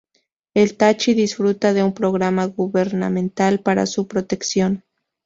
El Tachi disfruta de un programa gubernamental para su protección.